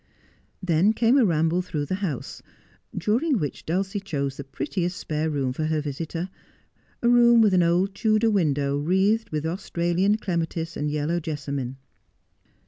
Then came a ramble through the house, during which Dulcie chose the prettiest spare room for her visitor — a room with an old Tudor window wreathed with Australian clematis and yellow jessamine.